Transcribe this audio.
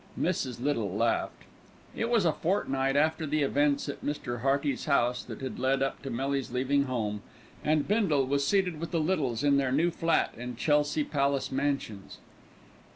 Mrs. Little laughed. It was a fortnight after the events at Mr. Hearty's house that had led up to Millie's leaving home, and Bindle was seated with the Littles in their new flat in Chelsea Palace Mansions.